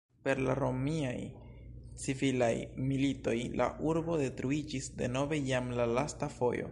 Per la Romiaj Civilaj Militoj la urbo detruiĝis denove, jam la lasta fojo.